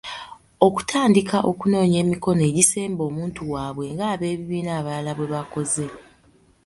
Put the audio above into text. Okutandika okunoonya emikono egisemba omuntu waabwe nga abebibina abalala bwe bakoze.